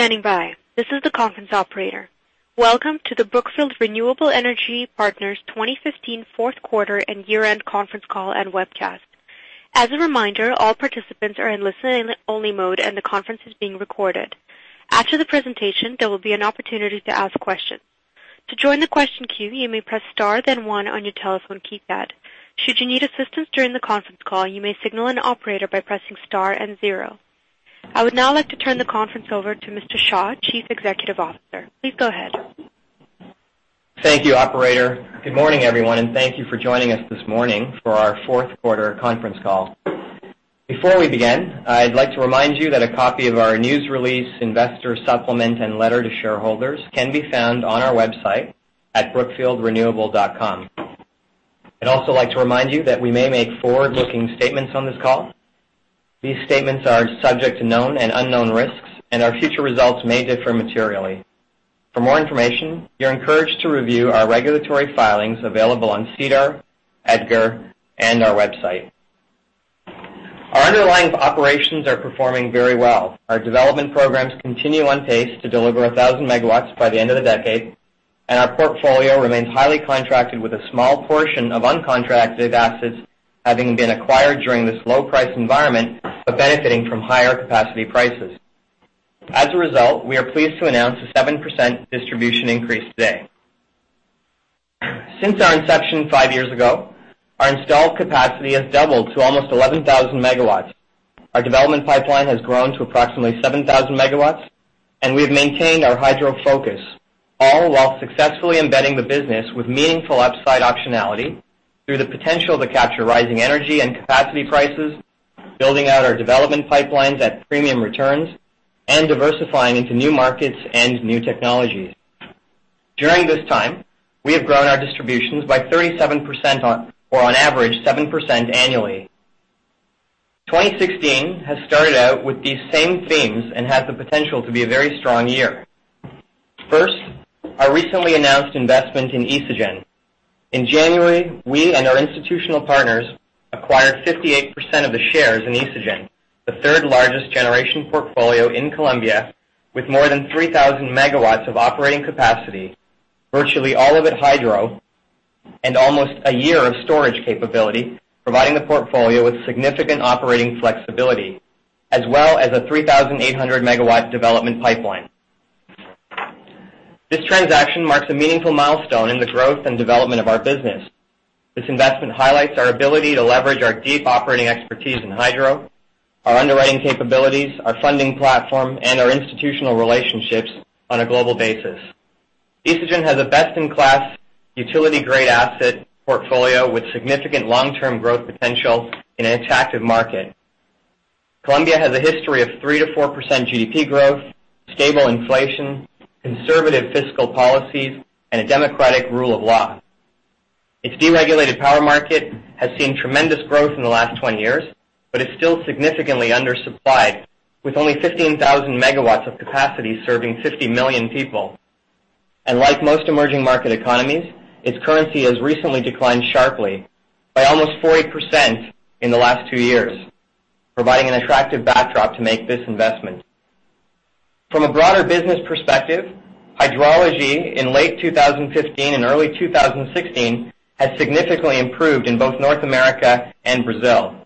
Thank you for standing by. This is the conference operator. Welcome to the Brookfield Renewable Energy Partners 2015 fourth quarter and year-end conference call and webcast. As a reminder, all participants are in listen-only mode, and the conference is being recorded. After the presentation, there will be an opportunity to ask questions. To join the question queue, you may press star, then one on your telephone keypad. Should you need assistance during the conference call, you may signal an operator by pressing star and zero. I would now like to turn the conference over to Mr. Shah, Chief Executive Officer. Please go ahead. Thank you, operator. Good morning, everyone, and thank you for joining us this morning for our fourth quarter conference call. Before we begin, I'd like to remind you that a copy of our news release, investor supplement, and letter to shareholders can be found on our website at brookfieldrenewable.com. I'd also like to remind you that we may make forward-looking statements on this call. These statements are subject to known and unknown risks, and our future results may differ materially. For more information, you're encouraged to review our regulatory filings available on SEDAR, EDGAR, and our website. Our underlying operations are performing very well. Our development programs continue on pace to deliver 1,000 MW by the end of the decade, and our portfolio remains highly contracted with a small portion of uncontracted assets having been acquired during this low-price environment, but benefiting from higher capacity prices. As a result, we are pleased to announce a 7% distribution increase today. Since our inception five years ago, our installed capacity has doubled to almost 11,000 MW. Our development pipeline has grown to approximately 7,000 MW, and we've maintained our hydro focus, all while successfully embedding the business with meaningful upside optionality through the potential to capture rising energy and capacity prices, building out our development pipelines at premium returns, and diversifying into new markets and new technologies. During this time, we have grown our distributions by 37%, or on average, 7% annually. 2016 has started out with these same themes and has the potential to be a very strong year. First, our recently announced investment in Isagen. In January, we and our institutional partners acquired 58% of the shares in Isagen, the third-largest generation portfolio in Colombia, with more than 3,000 MW of operating capacity, virtually all of it hydro, and almost a year of storage capability, providing the portfolio with significant operating flexibility, as well as a 3,800 MW development pipeline. This transaction marks a meaningful milestone in the growth and development of our business. This investment highlights our ability to leverage our deep operating expertise in hydro, our underwriting capabilities, our funding platform, and our institutional relationships on a global basis. Isagen has a best-in-class utility-grade asset portfolio with significant long-term growth potential in an attractive market. Colombia has a history of 3%-4% GDP growth, stable inflation, conservative fiscal policies, and a democratic rule of law. Its deregulated power market has seen tremendous growth in the last 20 years, but it's still significantly undersupplied, with only 15,000 MW of capacity serving 50 million people. Like most emerging market economies, its currency has recently declined sharply by almost 40% in the last two years, providing an attractive backdrop to make this investment. From a broader business perspective, hydrology in late 2015 and early 2016 has significantly improved in both North America and Brazil.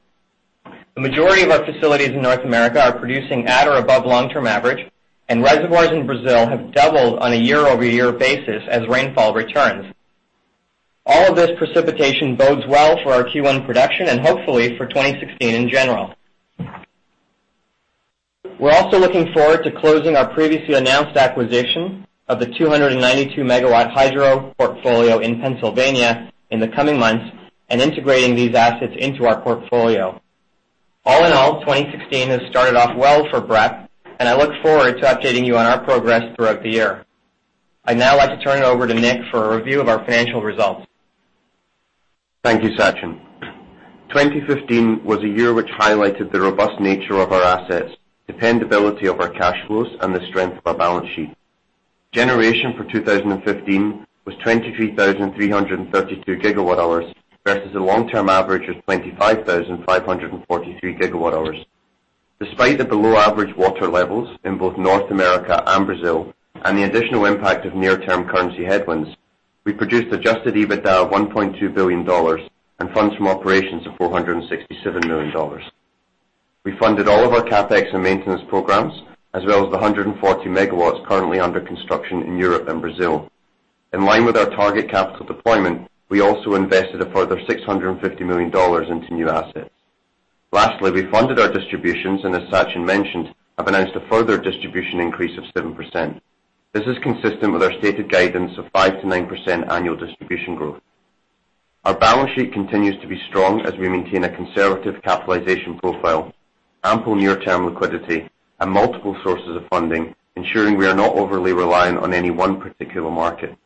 The majority of our facilities in North America are producing at or above long-term average, and reservoirs in Brazil have doubled on a year-over-year basis as rainfall returns. All of this precipitation bodes well for our Q1 production and hopefully for 2016 in general. We're also looking forward to closing our previously announced acquisition of the 292 MW hydro portfolio in Pennsylvania in the coming months and integrating these assets into our portfolio. All in all, 2016 has started off well for BREP, and I look forward to updating you on our progress throughout the year. I'd now like to turn it over to Nick for a review of our financial results. Thank you, Sachin. 2015 was a year which highlighted the robust nature of our assets, dependability of our cash flows, and the strength of our balance sheet. Generation for 2015 was 23,332 GWh, versus a long-term average of 25,543 GWh. Despite the below-average water levels in both North America and Brazil and the additional impact of near-term currency headwinds, we produced adjusted EBITDA of $1.2 billion and funds from operations of $467 million. We funded all of our CapEx and maintenance programs, as well as the 140 MW currently under construction in Europe and Brazil. In line with our target capital deployment, we also invested a further $650 million into new assets. Lastly, we funded our distributions and, as Sachin mentioned, have announced a further distribution increase of 7%. This is consistent with our stated guidance of 5%-9% annual distribution growth. Our balance sheet continues to be strong as we maintain a conservative capitalization profile, ample near-term liquidity, and multiple sources of funding, ensuring we are not overly reliant on any one particular market.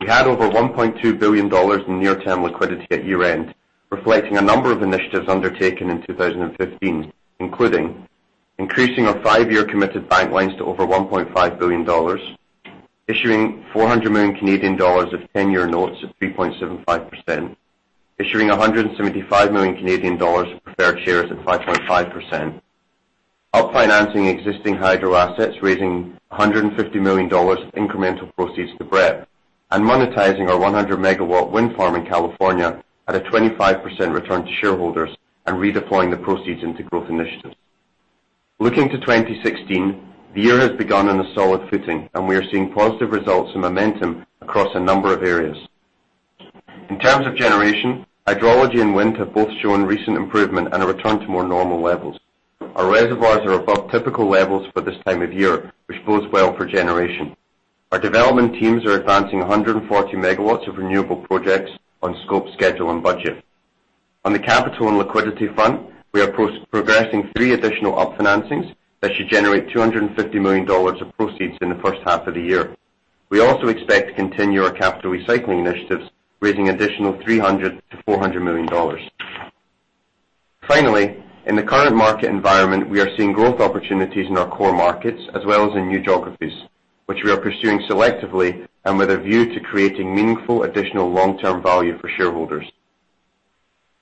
We had over $1.2 billion in near-term liquidity at year-end, reflecting a number of initiatives undertaken in 2015, including increasing our five-year committed bank lines to over $1.5 billion, issuing 400 million Canadian dollars of ten-year notes at 3.75%, issuing 175 million Canadian dollars of preferred shares at 5.5%. Upon financing existing hydro assets, raising $150 million of incremental proceeds to BREP. Monetizing our 100 MW wind farm in California at a 25% return to shareholders and redeploying the proceeds into growth initiatives. Looking to 2016, the year has begun on a solid footing, and we are seeing positive results and momentum across a number of areas. In terms of generation, hydrology and wind have both shown recent improvement and a return to more normal levels. Our reservoirs are above typical levels for this time of year, which bodes well for generation. Our development teams are advancing 140 MW of renewable projects on scope, schedule, and budget. On the capital and liquidity front, we are progressing three additional financings that should generate $250 million of proceeds in the first half of the year. We also expect to continue our capital recycling initiatives, raising additional $300 million-$400 million. Finally, in the current market environment, we are seeing growth opportunities in our core markets as well as in new geographies, which we are pursuing selectively and with a view to creating meaningful additional long-term value for shareholders.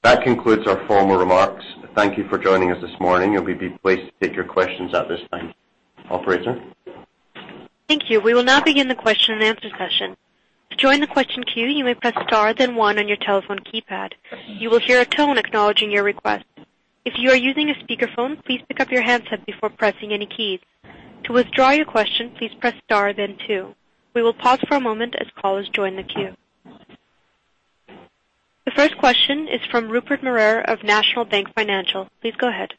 That concludes our formal remarks. Thank you for joining us this morning. We'll be pleased to take your questions at this time. Operator? Thank you. We will now begin the question-and-answer session. To join the question queue, you may press star then one on your telephone keypad. You will hear a tone acknowledging your request. If you are using a speakerphone, please pick up your handset before pressing any keys. To withdraw your question, please press star then two. We will pause for a moment as callers join the queue. The first question is from Rupert Merer of National Bank Financial. Please go ahead.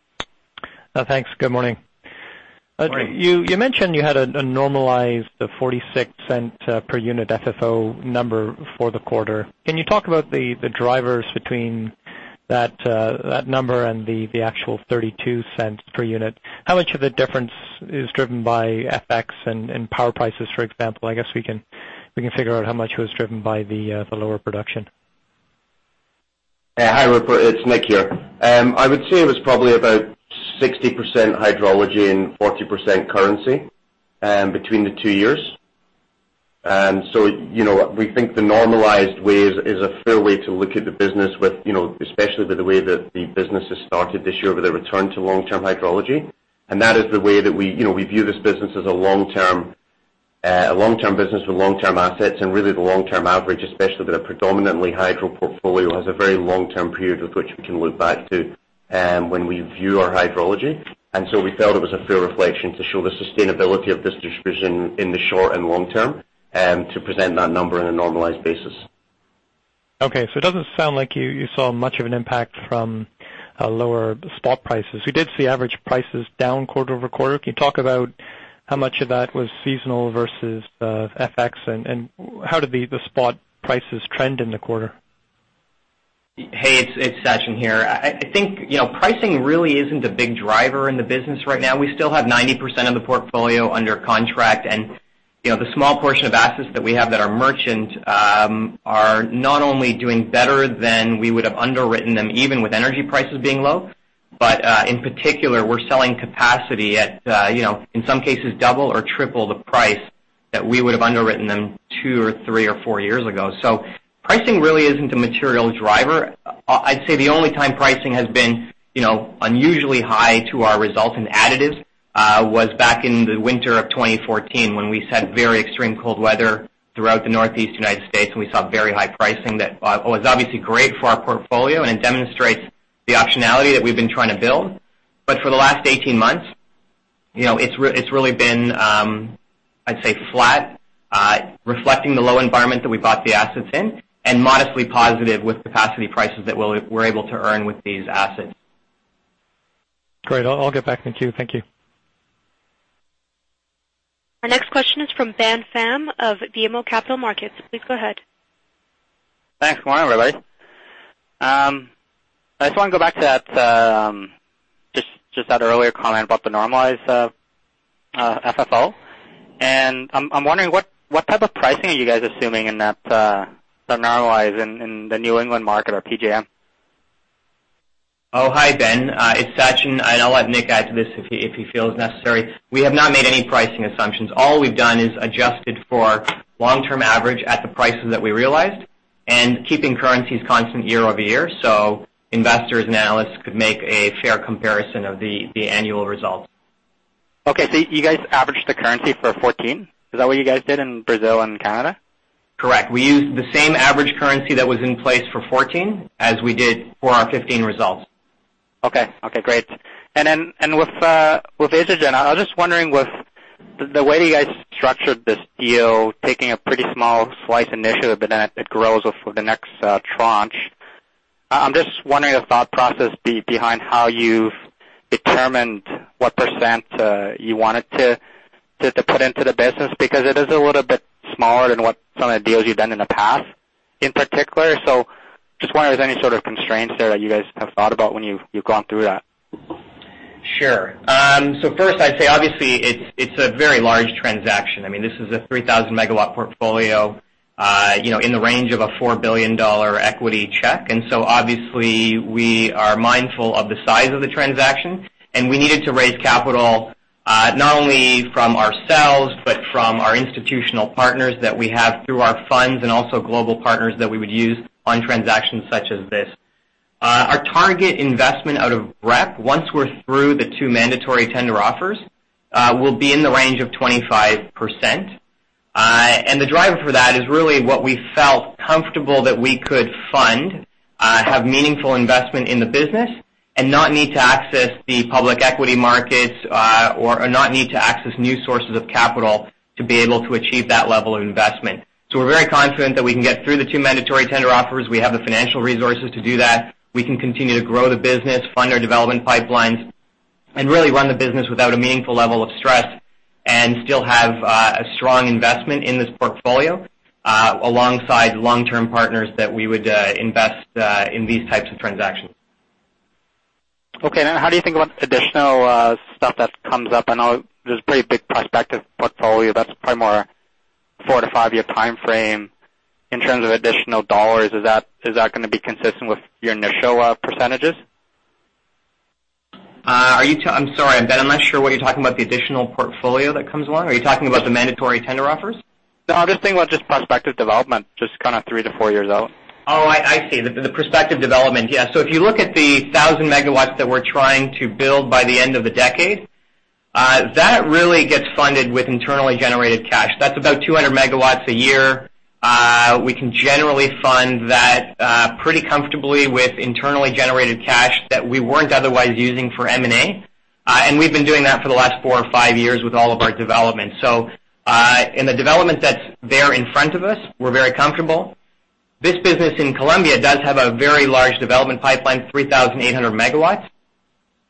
Thanks. Good morning. Morning. You mentioned you had a normalized $0.46 per unit FFO number for the quarter. Can you talk about the drivers between that number and the actual $0.32 per unit? How much of the difference is driven by FX and power prices, for example? I guess we can figure out how much was driven by the lower production? Yeah. Hi, Rupert. It's Nick here. I would say it was probably about 60% hydrology and 40% currency between the two years. You know, we think the normalized way is a fair way to look at the business with, you know, especially with the way that the business has started this year with a return to long-term hydrology. That is the way that we, you know, we view this business as a long-term business with long-term assets. Really the long-term average, especially with a predominantly hydro portfolio, has a very long-term period with which we can look back to when we view our hydrology. We felt it was a fair reflection to show the sustainability of this distribution in the short and long term to present that number in a normalized basis. Okay. It doesn't sound like you saw much of an impact from lower spot prices. We did see average prices down quarter-over-quarter. Can you talk about how much of that was seasonal versus FX and how did the spot prices trend in the quarter? Hey, it's Sachin here. I think, you know, pricing really isn't a big driver in the business right now. We still have 90% of the portfolio under contract. You know, the small portion of assets that we have that are merchant are not only doing better than we would have underwritten them, even with energy prices being low. In particular, we're selling capacity at, you know, in some cases, double or triple the price that we would have underwritten them two or three or four years ago. Pricing really isn't a material driver. I'd say the only time pricing has been, you know, unusually high to our results and adders, was back in the winter of 2014 when we had very extreme cold weather throughout the Northeast United States, and we saw very high pricing that was obviously great for our portfolio and demonstrates the optionality that we've been trying to build. For the last 18 months, you know, it's really been, I'd say flat, reflecting the low environment that we bought the assets in and modestly positive with capacity prices that we're able to earn with these assets. Great. I'll get back in queue. Thank you. Our next question is from Ben Pham of BMO Capital Markets. Please go ahead. Thanks. Good morning, everybody. I just wanna go back to that, just that earlier comment about the normalized FFO. I'm wondering what type of pricing are you guys assuming in that, the normalized in the New England market or PJM? Hi, Ben. It's Sachin, and I'll let Nick add to this if he feels necessary. We have not made any pricing assumptions. All we've done is adjusted for long-term average at the prices that we realized and keeping currencies constant year over year. Investors and analysts could make a fair comparison of the annual results. Okay. You guys averaged the currency for 2014? Is that what you guys did in Brazil and Canada? Correct. We used the same average currency that was in place for 2014 as we did for our 2015 results. Okay. Okay, great. Then, with Isagen, I was just wondering with the way you guys structured this deal, taking a pretty small slice initially, but then it grows with the next tranche. I'm just wondering the thought process behind how you've determined what percent you wanted to put into the business because it is a little bit smaller than what some of the deals you've done in the past, in particular. Just wondering if there's any sort of constraints there that you guys have thought about when you've gone through that? Sure. First I'd say, obviously, it's a very large transaction. I mean, this is a 3,000 MW portfolio, you know, in the range of a $4 billion equity check. Obviously we are mindful of the size of the transaction, and we needed to raise capital, not only from ourselves but from our institutional partners that we have through our funds and also global partners that we would use on transactions such as this. Our target investment out of BREP, once we're through the two mandatory tender offers, will be in the range of 25%. The driver for that is really what we felt comfortable that we could fund, have meaningful investment in the business and not need to access the public equity markets, or not need to access new sources of capital to be able to achieve that level of investment. We're very confident that we can get through the two mandatory tender offers. We have the financial resources to do that. We can continue to grow the business, fund our development pipelines, and really run the business without a meaningful level of stress and still have a strong investment in this portfolio, alongside long-term partners that we would invest in these types of transactions. Okay. Now, how do you think about the additional, stuff that comes up? I know there's a pretty big prospective portfolio that's probably more four to five-year timeframe in terms of additional dollars. Is that gonna be consistent with your initial percentages? I'm sorry, Ben, I'm not sure what you're talking about, the additional portfolio that comes along. Are you talking about the mandatory tender offers? No, I'm just thinking about just prospective development just kinda three to four years out. Oh, I see. The prospective development. Yeah. If you look at the 1,000 MW that we're trying to build by the end of the decade, that really gets funded with internally generated cash. That's about 200 MW a year. We can generally fund that pretty comfortably with internally generated cash that we weren't otherwise using for M&A. We've been doing that for the last four or five years with all of our developments. In the development that's there in front of us, we're very comfortable. This business in Colombia does have a very large development pipeline, 3,800 MW.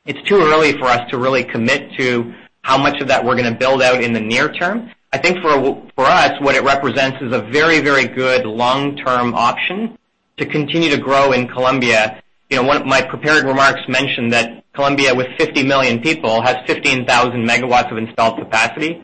It's too early for us to really commit to how much of that we're gonna build out in the near term. I think for us, what it represents is a very, very good long-term option to continue to grow in Colombia. You know, one of my prepared remarks mentioned that Colombia with 50 million people, has 15,000 MW of installed capacity.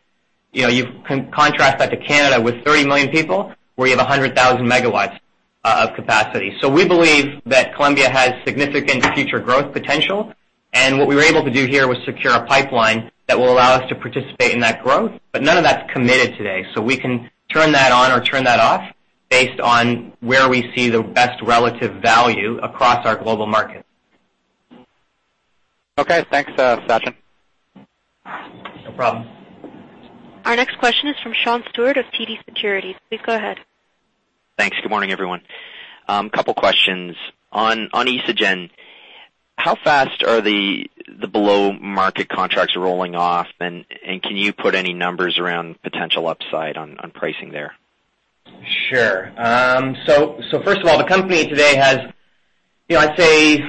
You know, you contrast that to Canada with 30 million people, where you have 100,000 MW of capacity. We believe that Colombia has significant future growth potential, and what we were able to do here was secure a pipeline that will allow us to participate in that growth. None of that's committed today, so we can turn that on or turn that off based on where we see the best relative value across our global markets. Okay. Thanks, Sachin. No problem. Our next question is from Sean Steuart of TD Securities. Please go ahead. Thanks. Good morning, everyone. Couple questions. On Isagen, how fast are the below market contracts rolling off, and can you put any numbers around potential upside on pricing there? Sure. So first of all, the company today has, you know, I'd say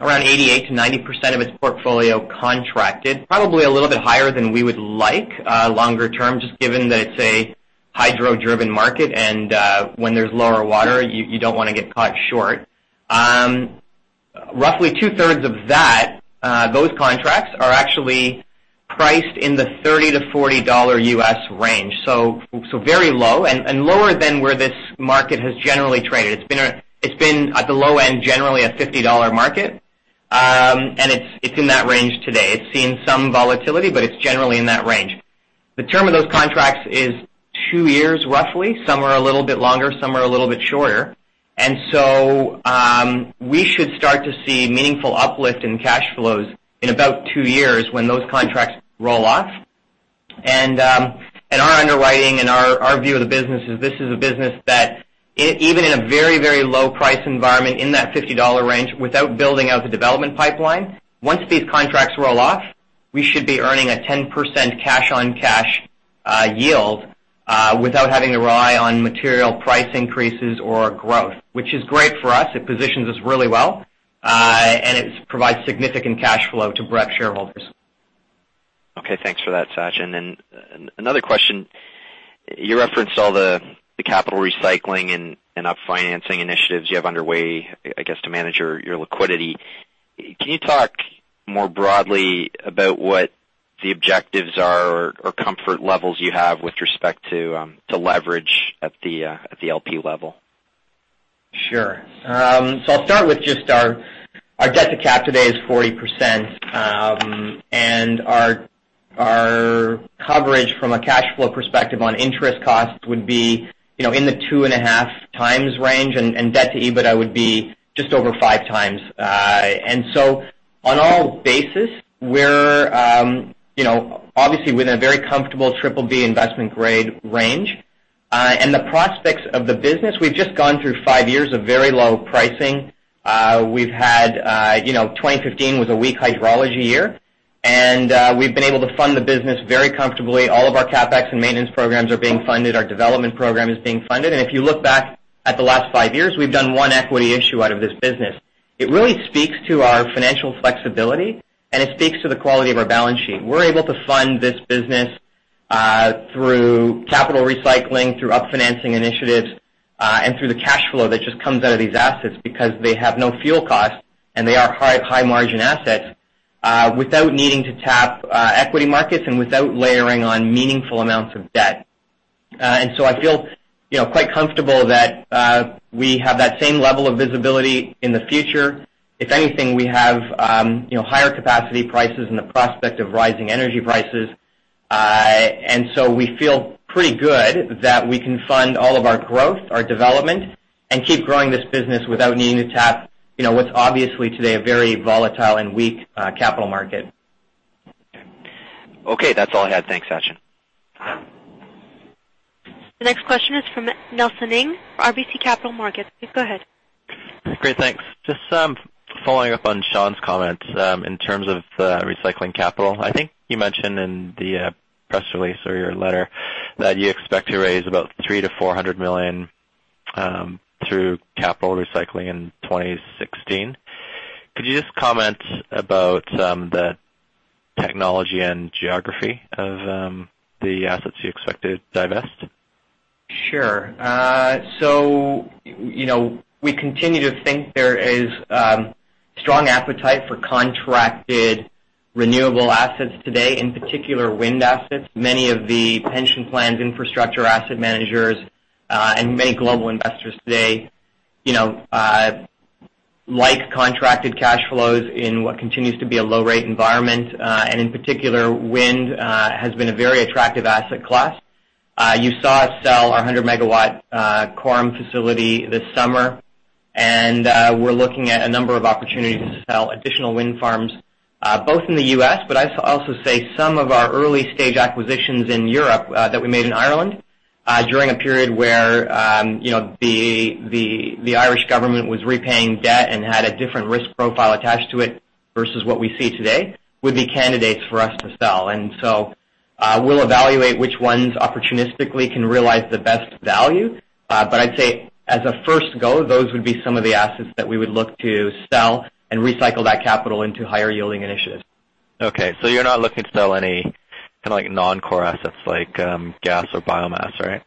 around 88%-90% of its portfolio contracted, probably a little bit higher than we would like longer term, just given that it's a hydro-driven market, and when there's lower water, you don't wanna get caught short. Roughly two-thirds of that, those contracts are actually priced in the $30-$40 U.S. range, so very low and lower than where this market has generally traded. It's been, at the low end, generally a $50 market. And it's in that range today. It's seen some volatility, but it's generally in that range. The term of those contracts is two years, roughly. Some are a little bit longer, some are a little bit shorter. We should start to see meaningful uplift in cash flows in about two years when those contracts roll off. Our underwriting and our view of the business is this is a business that even in a very, very low price environment, in that $50 range, without building out the development pipeline, once these contracts roll off, we should be earning a 10% cash on cash yield, without having to rely on material price increases or growth, which is great for us. It positions us really well, and it provides significant cash flow to BREP shareholders. Okay. Thanks for that, Sachin. Another question. You referenced all the capital recycling and up-financing initiatives you have underway, I guess, to manage your liquidity. Can you talk more broadly about what the objectives are or comfort levels you have with respect to leverage at the LP level? Sure. I'll start with just our debt to cap today is 40%. Our coverage from a cash flow perspective on interest costs would be, you know, in the 2.5x range, and debt to EBITDA would be just over 5x. On all bases, we're, you know, obviously, we're in a very comfortable BBB investment grade range. The prospects of the business, we've just gone through five years of very low pricing. We've had, you know, 2015 was a weak hydrology year, and we've been able to fund the business very comfortably. All of our CapEx and maintenance programs are being funded. Our development program is being funded. If you look back at the last five years, we've done one equity issue out of this business. It really speaks to our financial flexibility, and it speaks to the quality of our balance sheet. We're able to fund this business through capital recycling, through refinancing initiatives, and through the cash flow that just comes out of these assets because they have no fuel costs and they are high margin assets without needing to tap equity markets and without layering on meaningful amounts of debt. I feel, you know, quite comfortable that we have that same level of visibility in the future. If anything, we have, you know, higher capacity prices and the prospect of rising energy prices. We feel pretty good that we can fund all of our growth, our development, and keep growing this business without needing to tap, you know, what's obviously today a very volatile and weak capital market. Okay. That's all I had. Thanks, Sachin. The next question is from Nelson Ng, RBC Capital Markets. Please go ahead. Great. Thanks. Just following up on Sean's comments, in terms of capital recycling. I think you mentioned in the press release or your letter that you expect to raise about $300 million-$400 million through capital recycling in 2016. Could you just comment about the technology and geography of the assets you expect to divest? Sure. You know, we continue to think there is strong appetite for contracted renewable assets today, in particular, wind assets. Many of the pension plans, infrastructure asset managers, and many global investors today, you know, like contracted cash flows in what continues to be a low rate environment. In particular, wind has been a very attractive asset class. You saw us sell our 100 MW Coram facility this summer, and we're looking at a number of opportunities to sell additional wind farms, both in the U.S., but also say some of our early-stage acquisitions in Europe that we made in Ireland during a period where, you know, the Irish government was repaying debt and had a different risk profile attached to it versus what we see today, would be candidates for us to sell. We'll evaluate which ones opportunistically can realize the best value. But I'd say as a first go, those would be some of the assets that we would look to sell and recycle that capital into higher-yielding initiatives. Okay, you're not looking to sell any kinda, like non-core assets like, gas or biomass, right?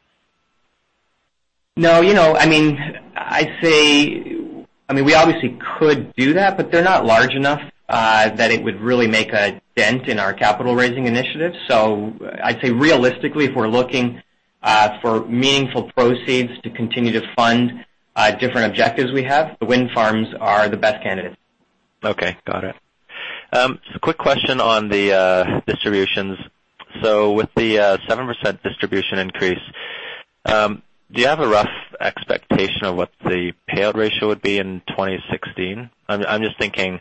No, you know, I mean, I'd say I mean, we obviously could do that, but they're not large enough that it would really make a dent in our capital raising initiatives. I'd say realistically, if we're looking for meaningful proceeds to continue to fund different objectives we have, the wind farms are the best candidates. Okay. Got it. Quick question on the distributions. With the 7% distribution increase, do you have a rough expectation of what the payout ratio would be in 2016? I'm just thinking,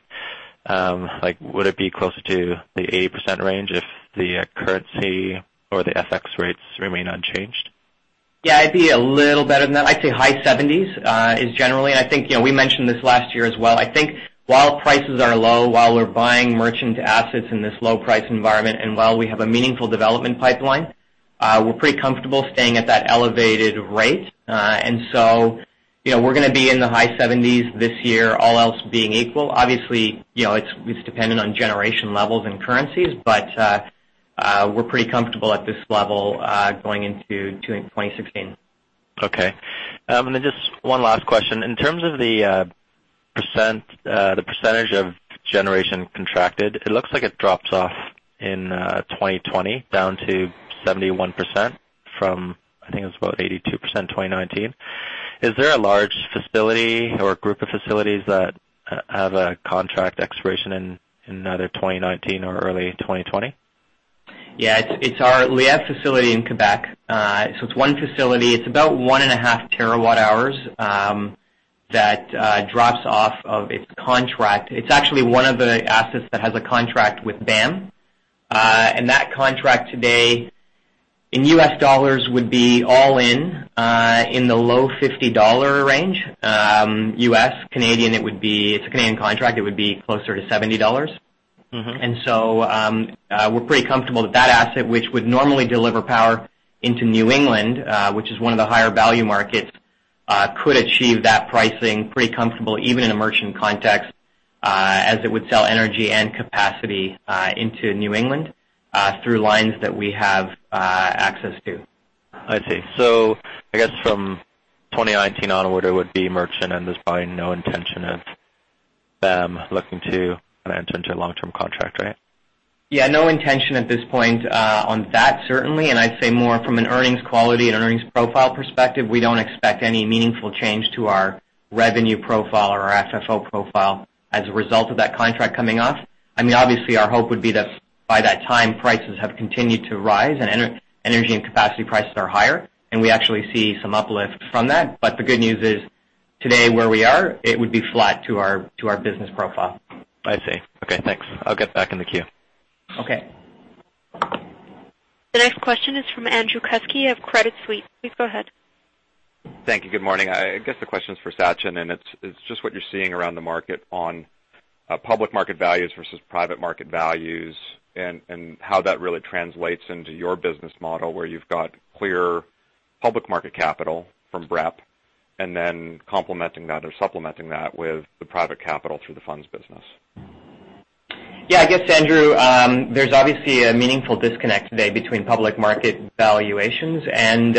like, would it be closer to the 80% range if the currency or the FX rates remain unchanged? Yeah, it'd be a little better than that. I'd say high 70s% is generally. I think, you know, we mentioned this last year as well. I think while prices are low, while we're buying merchant assets in this low price environment, and while we have a meaningful development pipeline, we're pretty comfortable staying at that elevated rate. You know, we're gonna be in the high 70s this year, all else being equal. Obviously, you know, it's dependent on generation levels and currencies, but we're pretty comfortable at this level going into 2016. Okay. Just one last question. In terms of the percent, the percentage of generation contracted, it looks like it drops off in 2020 down to 71% from, I think it was about 82% in 2019. Is there a large facility or group of facilities that have a contract expiration in either 2019 or early 2020? Yeah. It's our La Lièvre facility in Quebec. So it's one facility. It's about 1.5 TWh that drops off of its contract. It's actually one of the assets that has a contract with BAM. And that contract today in U.S. dollars would be all in in the low $50 range, U.S. Canadian, it would be. It's a Canadian contract, it would be closer to 70 dollars. Mm-hmm. We're pretty comfortable that that asset, which would normally deliver power into New England, which is one of the higher value markets, could achieve that pricing pretty comfortable even in a merchant context, as it would sell energy and capacity into New England through lines that we have access to. I see. I guess from 2019 onward, it would be merchant and there's probably no intention of them looking to an intent to a long-term contract, right? Yeah, no intention at this point on that certainly. I'd say more from an earnings quality and earnings profile perspective, we don't expect any meaningful change to our revenue profile or our FFO profile as a result of that contract coming off. I mean, obviously, our hope would be that by that time, prices have continued to rise and energy and capacity prices are higher, and we actually see some uplift from that. The good news is today, where we are, it would be flat to our business profile. I see. Okay, thanks. I'll get back in the queue. Okay. The next question is from Andrew Kuske of Credit Suisse. Please go ahead. Thank you. Good morning. I guess the question is for Sachin, and it's just what you're seeing around the market on public market values versus private market values and how that really translates into your business model where you've got clear public market capital from BREP, and then complementing that or supplementing that with the private capital through the funds business. Yeah, I guess, Andrew, there's obviously a meaningful disconnect today between public market valuations and,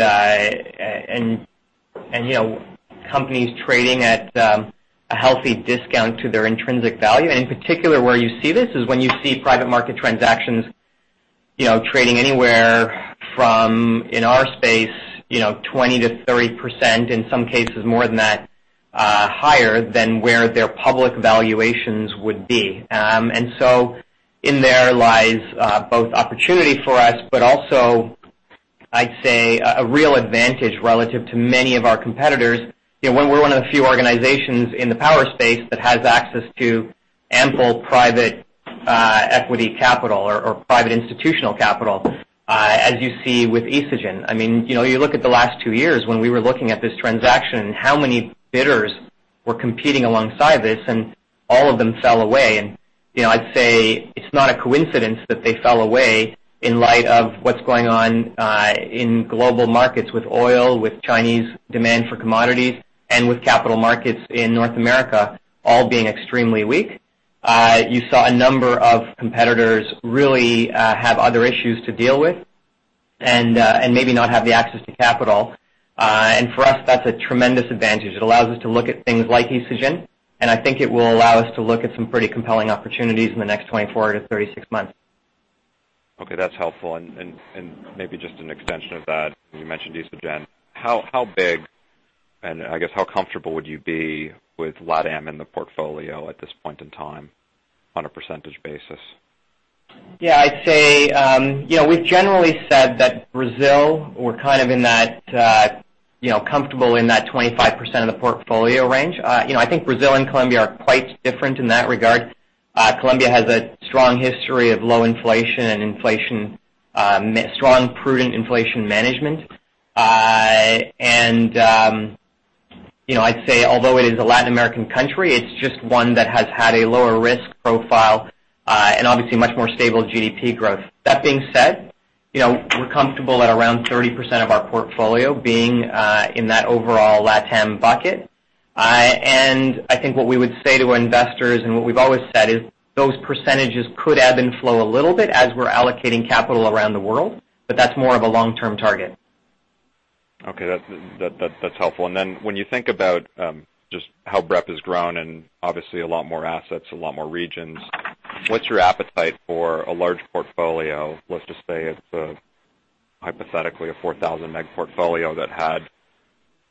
you know, companies trading at a healthy discount to their intrinsic value. In particular, where you see this is when you see private market transactions, you know, trading anywhere from, in our space, you know, 20%-30%, in some cases more than that, higher than where their public valuations would be. In there lies both opportunity for us, but also I'd say a real advantage relative to many of our competitors. You know, we're one of the few organizations in the power space that has access to ample private equity capital or private institutional capital, as you see with Isagen. I mean, you know, you look at the last two years when we were looking at this transaction and how many bidders were competing alongside this, and all of them fell away. You know, I'd say it's not a coincidence that they fell away in light of what's going on in global markets with oil, with Chinese demand for commodities, and with capital markets in North America all being extremely weak. You saw a number of competitors really have other issues to deal with and maybe not have the access to capital. For us, that's a tremendous advantage. It allows us to look at things like Isagen, and I think it will allow us to look at some pretty compelling opportunities in the next 24-36 months. Okay, that's helpful. Maybe just an extension of that. You mentioned Isagen. How big, and I guess how comfortable would you be with LATAM in the portfolio at this point in time on a percentage basis? Yeah. I'd say, you know, we've generally said that Brazil, we're kind of in that, you know, comfortable in that 25% of the portfolio range. You know, I think Brazil and Colombia are quite different in that regard. Colombia has a strong history of low inflation and strong prudent inflation management. You know, I'd say although it is a Latin American country, it's just one that has had a lower risk profile, and obviously much more stable GDP growth. That being said, you know, we're comfortable at around 30% of our portfolio being in that overall LATAM bucket. I think what we would say to investors and what we've always said is those percentages could ebb and flow a little bit as we're allocating capital around the world, but that's more of a long-term target. Okay. That's helpful. When you think about just how BREP has grown and obviously a lot more assets, a lot more regions, what's your appetite for a large portfolio? Let's just say it's a hypothetical 4,000-meg portfolio that had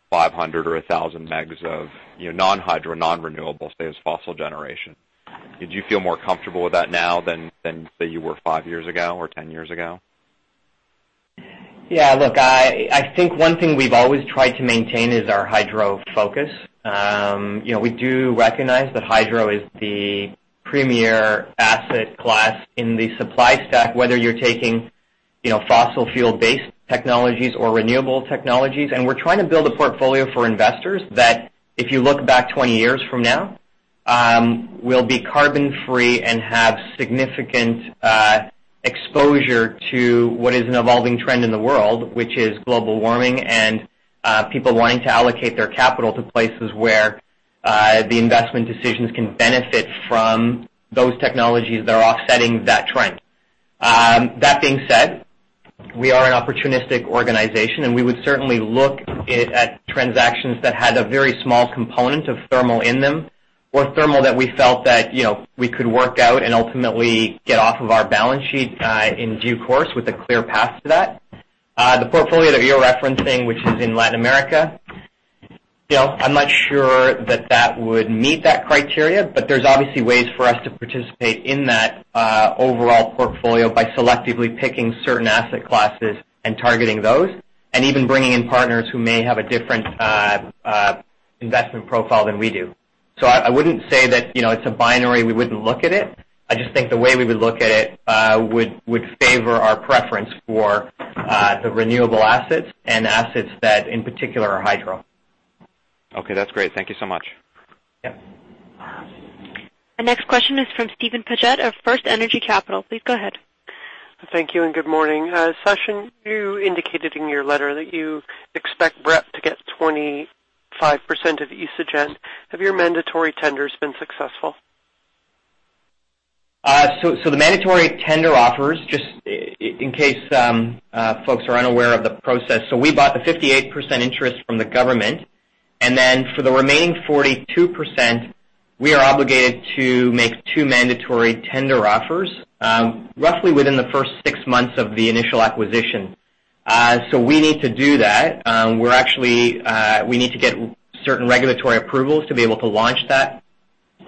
500 or 1,000 megs of, you know, non-hydro, non-renewable, say as fossil generation. Did you feel more comfortable with that now than say you were five years ago or 10 years ago? Yeah. Look, I think one thing we've always tried to maintain is our hydro focus. You know, we do recognize that hydro is the premier asset class in the supply stack, whether you're taking, you know, fossil fuel-based technologies or renewable technologies. We're trying to build a portfolio for investors that, if you look back 20 years from now, will be carbon free and have significant exposure to what is an evolving trend in the world, which is global warming and people wanting to allocate their capital to places where the investment decisions can benefit from those technologies that are offsetting that trend. That being said, we are an opportunistic organization, and we would certainly look at transactions that had a very small component of thermal in them or thermal that we felt that, you know, we could work out and ultimately get off of our balance sheet in due course with a clear path to that. The portfolio that you're referencing, which is in Latin America, you know, I'm not sure that would meet that criteria, but there's obviously ways for us to participate in that overall portfolio by selectively picking certain asset classes and targeting those, and even bringing in partners who may have a different investment profile than we do. I wouldn't say that, you know, it's a binary, we wouldn't look at it. I just think the way we would look at it would favor our preference for the renewable assets and assets that in particular are hydro. Okay. That's great. Thank you so much. Yep. The next question is from Steven Paget of FirstEnergy Capital. Please go ahead. Thank you and good morning. Sachin, you indicated in your letter that you expect BREP to get 25% of Isagen. Have your mandatory tenders been successful? The mandatory tender offers, just in case folks are unaware of the process. We bought the 58% interest from the government, and then for the remaining 42%, we are obligated to make two mandatory tender offers, roughly within the first six months of the initial acquisition. We need to do that. We're actually need to get certain regulatory approvals to be able to launch that.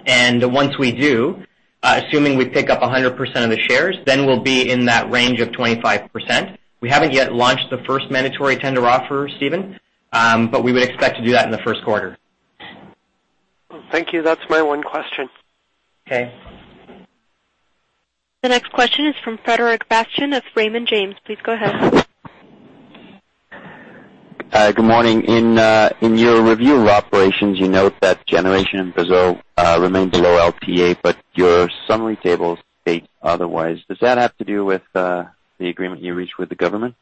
Once we do, assuming we pick up 100% of the shares, then we'll be in that range of 25%. We haven't yet launched the first mandatory tender offer, Steven, but we would expect to do that in the first quarter. Thank you. That's my one question. Okay. The next question is from Frederic Bastien of Raymond James. Please go ahead. Hi. Good morning. In your review of operations, you note that generation in Brazil remains below LTA, but your summary tables state otherwise. Does that have to do with the agreement you reached with the government?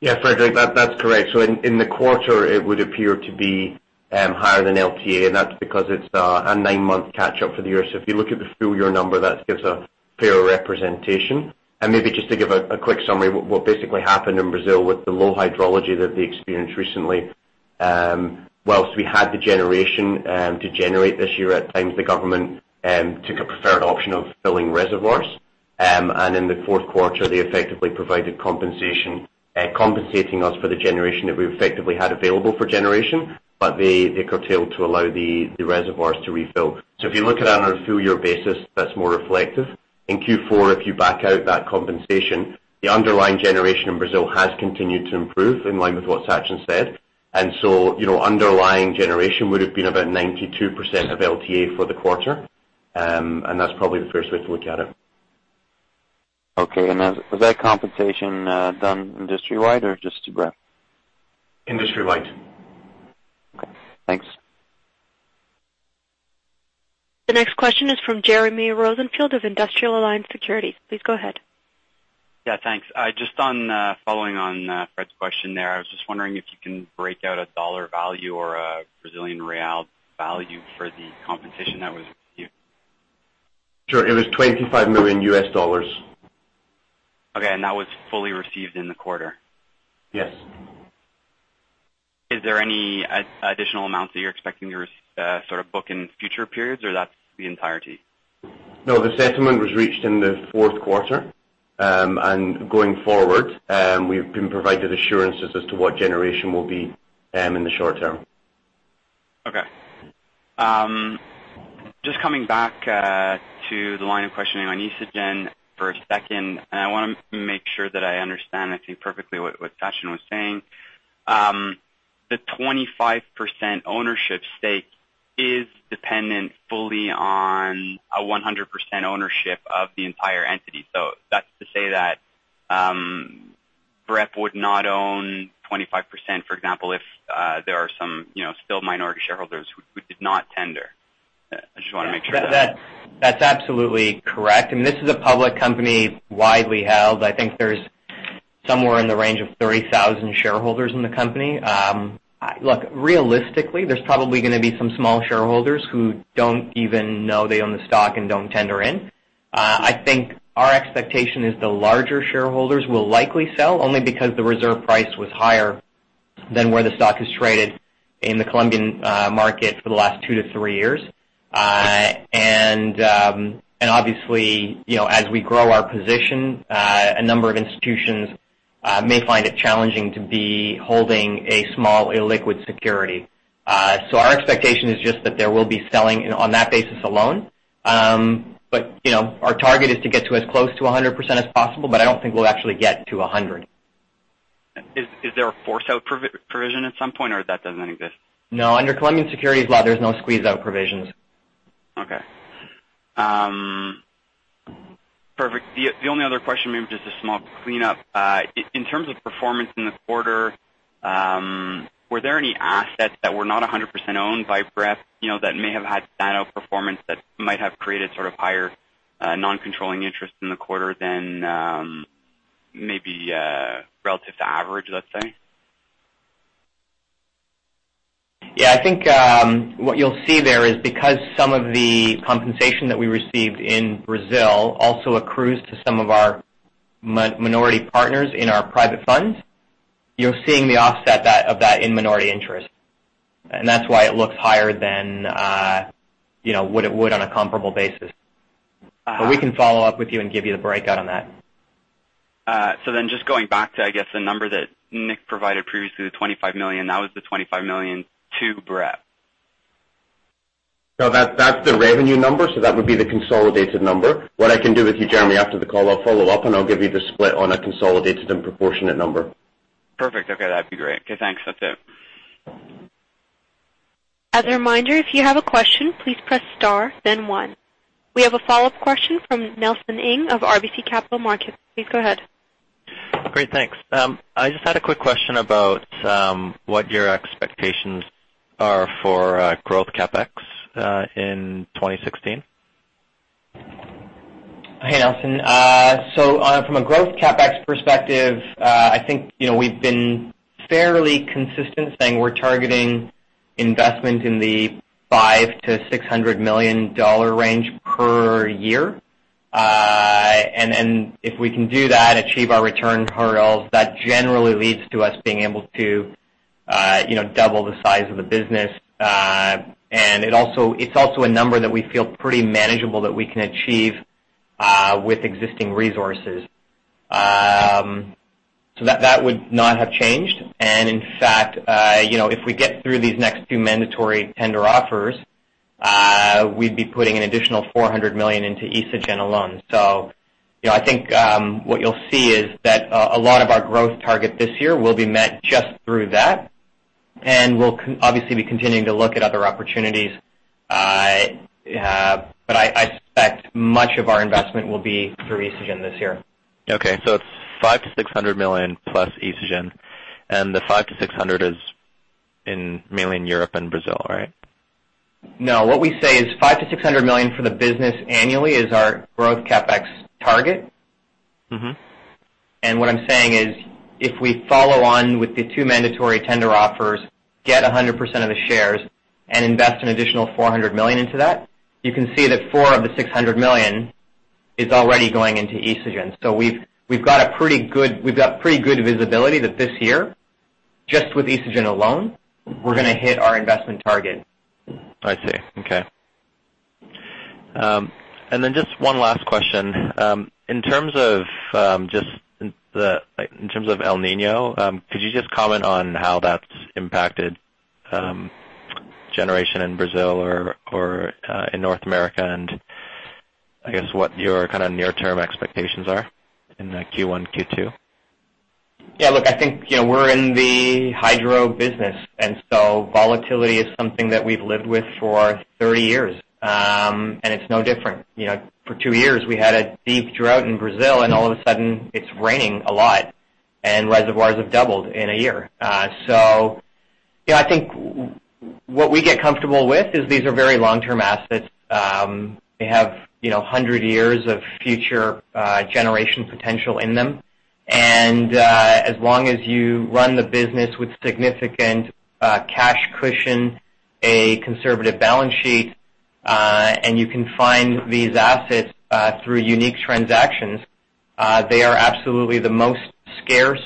Yeah, Frederic, that's correct. In the quarter, it would appear to be higher than LTA, and that's because it's a nine-month catch-up for the year. If you look at the full year number, that gives a fairer representation. Maybe just to give a quick summary, what basically happened in Brazil with the low hydrology that they experienced recently, while we had the generation to generate this year, at the government took a preferred option of filling reservoirs. In the fourth quarter, they effectively provided compensation, compensating us for the generation that we effectively had available for generation. They curtailed to allow the reservoirs to refill. If you look at that on a full year basis, that's more reflective. In Q4 if you back out that compensation, the underlying generation in Brazil has continued to improve in line with what Sachin said. You know, underlying generation would have been about 92% of LTA for the quarter. That's probably the first way to look at it. Okay. Was that compensation done industry-wide or just to BREP? Industry-wide. Okay, thanks. The next question is from Jeremy Rosenfield of Industrial Alliance Securities. Please go ahead. Yeah, thanks. Just on, following on, Fred's question there. I was just wondering if you can break out a dollar value or a Brazilian real value for the compensation that was received. Sure. It was $25 million. Okay. That was fully received in the quarter? Yes. Is there any additional amounts that you're expecting to sort of book in future periods or that's the entirety? No, the settlement was reached in the fourth quarter. Going forward, we've been provided assurances as to what generation will be, in the short term. Okay. Just coming back to the line of questioning on Isagen for a second, and I wanna make sure that I understand, I think, perfectly what Sachin was saying. The 25% ownership stake is dependent fully on a 100% ownership of the entire entity. That's to say that BREP would not own 25%, for example, if there are some, you know, still minority shareholders who did not tender. I just wanna make sure that. That's absolutely correct. I mean, this is a public company, widely held. I think there's somewhere in the range of 30,000 shareholders in the company. Look, realistically, there's probably gonna be some small shareholders who don't even know they own the stock and don't tender in. I think our expectation is the larger shareholders will likely sell, only because the reserve price was higher than where the stock has traded in the Colombian market for the last two to three years. And obviously, you know, as we grow our position, a number of institutions may find it challenging to be holding a small illiquid security. So our expectation is just that there will be selling and on that basis alone. You know, our target is to get to as close to 100% as possible, but I don't think we'll actually get to 100. Is there a force out provision at some point or that doesn't exist? No. Under Colombian securities law, there's no squeeze out provisions. Okay. Perfect. The only other question, maybe just a small cleanup. In terms of performance in the quarter, were there any assets that were not 100% owned by BREP, you know, that may have had standout performance that might have created sort of higher non-controlling interest in the quarter than maybe relative to average, let's say? Yeah. I think what you'll see there is because some of the compensation that we received in Brazil also accrues to some of our minority partners in our private funds, you're seeing the offset that, of that in minority interest. That's why it looks higher than, you know, what it would on a comparable basis. We can follow up with you and give you the breakout on that. Just going back to, I guess, the number that Nick provided previously, the $25 million, that was the $25 million to BREP. No, that's the revenue number. That would be the consolidated number. What I can do with you, Jeremy, after the call, I'll follow up and I'll give you the split on a consolidated and proportionate number. Perfect. Okay, that'd be great. Okay, thanks. That's it. As a reminder, if you have a question, please press star then one. We have a follow-up question from Nelson Ng of RBC Capital Markets. Please go ahead. Great, thanks. I just had a quick question about what your expectations are for growth CapEx in 2016? Hey, Nelson. From a growth CapEx perspective, I think, you know, we've been fairly consistent saying we're targeting investment in the $500-$600 million range per year. And if we can do that, achieve our return hurdles, that generally leads to us being able to, you know, double the size of the business. It's also a number that we feel pretty manageable that we can achieve with existing resources. That would not have changed. In fact, you know, if we get through these next two mandatory tender offers, we'd be putting an additional $400 million into Isagen alone. You know, I think what you'll see is that a lot of our growth target this year will be met just through that. We'll obviously be continuing to look at other opportunities. I suspect much of our investment will be through Isagen this year. It's $500 million-$600 million plus Isagen, and the $500 million-$600 million is mainly in Europe and Brazil, right? No, what we say is $500 million-$600 million for the business annually is our growth CapEx target. Mm-hmm. What I'm saying is if we follow on with the two mandatory tender offers, get 100% of the shares, and invest an additional $400 million into that, you can see that $4 million of the $600 million is already going into Isagen. We've got pretty good visibility that this year, just with Isagen alone, we're gonna hit our investment target. I see. Okay. Just one last question. In terms of, just the, like in terms of El Niño, could you just comment on how that's impacted, generation in Brazil or in North America and I guess what your kinda near-term expectations are in the Q1, Q2? Yeah, look, I think, you know, we're in the hydro business, and so volatility is something that we've lived with for 30 years. It's no different. You know, for two years, we had a deep drought in Brazil, and all of a sudden it's raining a lot, and reservoirs have doubled in a year. Yeah, I think what we get comfortable with is these are very long-term assets. They have, you know, 100 years of future generation potential in them. As long as you run the business with significant cash cushion, a conservative balance sheet, and you can find these assets through unique transactions, they are absolutely the most scarce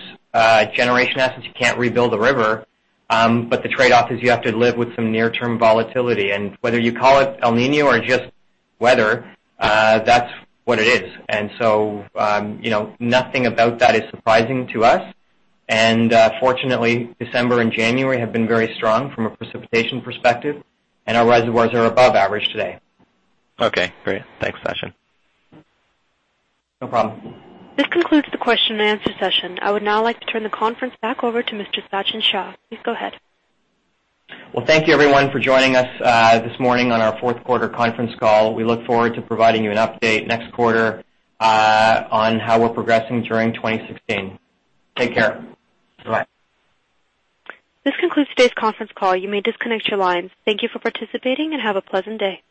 generation assets. You can't rebuild a river, but the trade-off is you have to live with some near-term volatility. Whether you call it El Niño or just weather, that's what it is. You know, nothing about that is surprising to us. Fortunately, December and January have been very strong from a precipitation perspective, and our reservoirs are above average today. Okay, great. Thanks, Sachin. No problem. This concludes the question and answer session. I would now like to turn the conference back over to Mr. Sachin Shah. Please go ahead. Well, thank you everyone for joining us this morning on our fourth quarter conference call. We look forward to providing you an update next quarter on how we're progressing during 2016. Take care. Bye. This concludes today's conference call. You may disconnect your lines. Thank you for participating, and have a pleasant day.